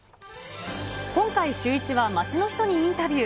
今回、シューイチは街の人にインタビュー。